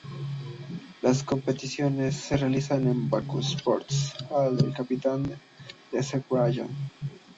Las competiciones se realizaron en el Bakú Sports Hall de la capital de Azerbaiyán.